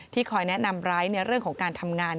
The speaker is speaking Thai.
ที่ขอแนะนำบรายในเรื่องของการทำงาน